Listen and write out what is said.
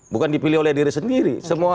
bukan dipilih oleh diri sendiri